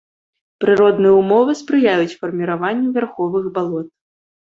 Прыродныя ўмовы спрыяюць фарміраванню вярховых балот.